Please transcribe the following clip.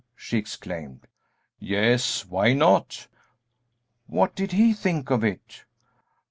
she exclaimed. "Yes, why not?" "What did he think of it?"